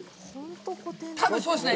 多分そうですね。